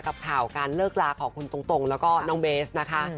กับข่าวการเลิกลาของคุณตรงแล้วก็น้องเบสนะคะ